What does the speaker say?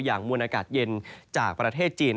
มวลอากาศเย็นจากประเทศจีน